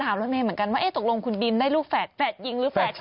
หรือพอลงแล้ว